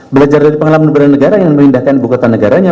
belajar dari pengalaman negara yang memindahkan ibu kota negaranya